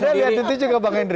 ada yang ngerti juga bang hendry